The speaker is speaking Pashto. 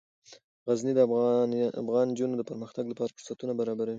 غزني د افغان نجونو د پرمختګ لپاره فرصتونه برابروي.